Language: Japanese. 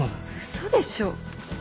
嘘でしょ。